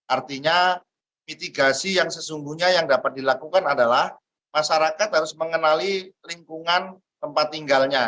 artinya mitigasi yang sesungguhnya yang dapat dilakukan adalah masyarakat harus mengenali lingkungan tempat tinggalnya